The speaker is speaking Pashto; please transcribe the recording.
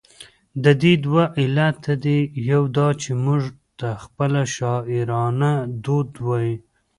د دې دوه علته دي، يو دا چې، موږ ته خپله شاعرانه دود وايي،